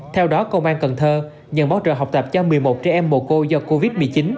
theo đó công an cần thơ nhận bảo trợ học tập cho một mươi một trẻ em mồ cô do covid một mươi chín